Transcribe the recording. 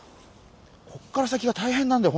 こっから先がたいへんなんだよ